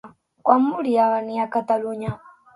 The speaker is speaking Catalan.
Quan volia venir a Espanya?